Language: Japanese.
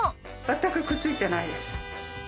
全くくっついてないです。